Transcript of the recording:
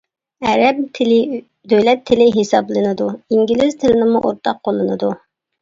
ئەرەب تىلى دۆلەت تىلى ھېسابلىنىدۇ، ئىنگلىز تىلىنىمۇ ئورتاق قوللىنىدۇ.